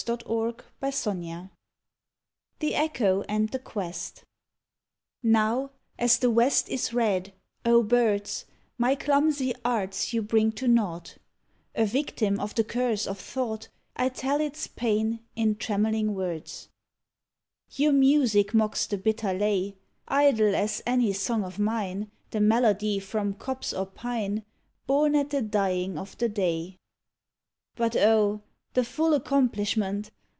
92 THE ECHO AND THE QUEST Now, as the west is red, O birds I My clumsy arts you bring to naught: A victim of the curse of thought, I tell its pain in trammeling words — Your music mocks the bitter lay I Idle as any song of mine The melody from copse or pine — Born at the dying of the day; But oh I the full accomplishment!